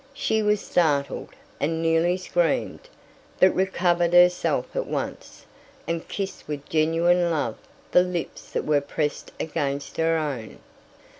She was startled, and nearly screamed, but recovered herself at once, and kissed with genuine love the lips that were pressed against her own.